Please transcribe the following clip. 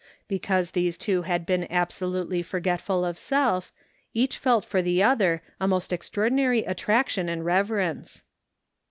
Because these two had been absolutely forgetful of self, each felt for the other a most extraordinary attraction and reverence.